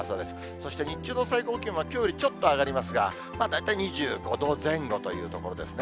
そして、日中の最高気温は、きょうよりちょっと上がりますが、大体２５度前後というところですね。